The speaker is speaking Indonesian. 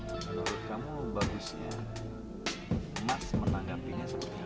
menurut kamu bagusnya mas menanggapinya seperti apa